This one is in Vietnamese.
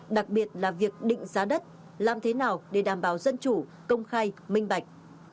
đặc biệt là việc định giá đất làm thế nào để đảm bảo dân chủ công khai minh bạch